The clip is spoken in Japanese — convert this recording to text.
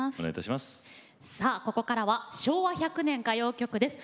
さあここからは「昭和１００年歌謡曲」です。